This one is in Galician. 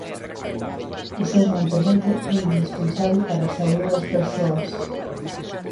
O seu mantemento é indispensable para a saúde das persoas.